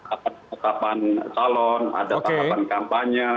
ada penetapan calon ada tahapan kampanye